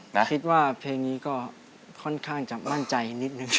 แต่คิดว่าเพลงนี้ก็ค่อนข้างจะมั่นใจนิดนึง